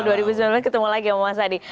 dua ribu sembilan belas ketemu lagi sama mas adi